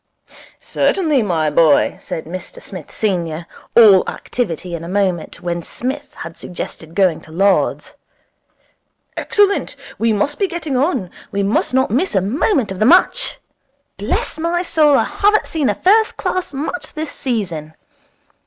'Certainly, my boy,' said Mr Smith senior, all activity in a moment, when Psmith had suggested going to Lord's. 'Excellent. We must be getting on. We must not miss a moment of the match. Bless my soul: I haven't seen a first class match this season.